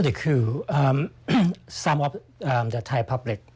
มันจะทำให้โลกภาพเป็นชิงหาดีกว่าไทย